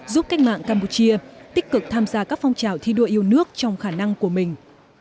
giúp cách mạng campuchia tích cực tham gia các phong trào thi đua yêu nước trong khả năng của mình